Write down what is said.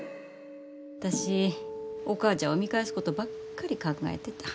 私お母ちゃんを見返すことばっかり考えてた。